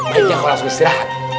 maiki yang alas istirahat